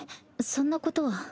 そんなことは。